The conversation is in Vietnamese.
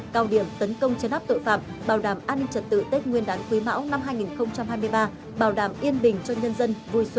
cao điểm tấn công chấn áp tội phạm bảo đảm an ninh trật tự tết nguyên đán quý mão năm hai nghìn hai mươi ba bảo đảm yên bình cho nhân dân vui xuân